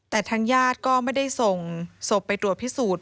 แต่ทางญาติก็ไม่ได้ส่งศพไปตรวจพิสูจน์